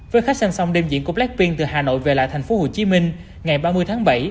với khách sang sông đêm diễn của blackpink từ hà nội về lại thành phố hồ chí minh ngày ba mươi tháng bảy